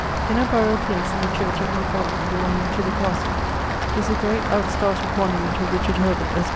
126): In a buriall place in the church at Montgomery (belonging to the castle) is a great out started monument of Richard Herbert, esq.